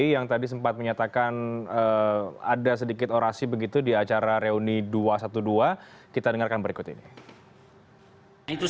yang terkait dengan pilpres dua ribu sembilan belas